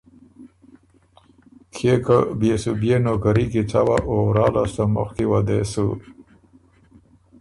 کيې که بيې سو بيې نوکري کی څوا او ورا لاسته مُخکی وه دې سو